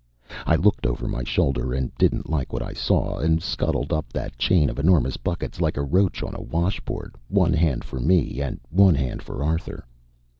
I looked over my shoulder, and didn't like what I saw, and scuttled up that chain of enormous buckets like a roach on a washboard, one hand for me and one hand for Arthur.